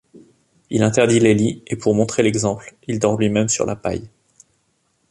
Il interdit les lits et pour montrer l’exemple, il dort lui-même sur la paille.